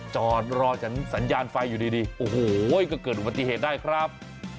จอดรอสัญญาณไฟอยู่ดีโอ้โหก็เกิดอุบัติเหตุได้ครับ